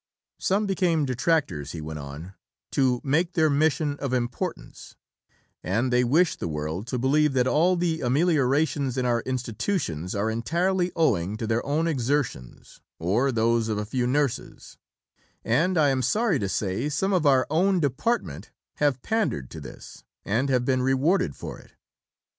Some became detractors, he went on, "to make their mission of importance, and they wish the world to believe that all the ameliorations in our institutions are entirely owing to their own exertions or those of a few nurses; and I am sorry to say some of our own department have pandered to this, and have been rewarded for it."